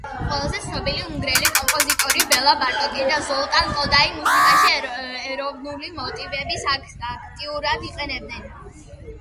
ყველაზე ცნობილი უნგრელი კომპოზიტორები ბელა ბარტოკი და ზოლტან კოდაი მუსიკაში ეროვნულ მოტივებს აქტიურად იყენებენ.